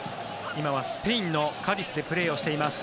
今はスペインのカディスでプレーをしています。